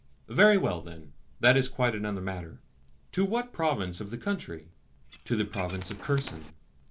"Very well, then. That is quite another matter. To what province of the country?" "To the province of Kherson."